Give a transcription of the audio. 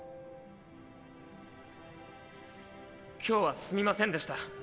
今日はすみませんでした。